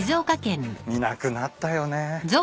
見なくなったよね。